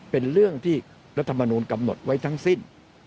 เป็นเรื่องที่รัฐมนูลกำหนดไว้ทั้งสิ้น